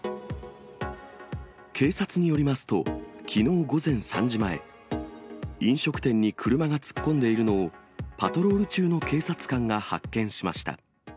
警察によりますと、きのう午前３時前、飲食店に車が突っ込んでいるのを、パトロール中の警察官が発見しました。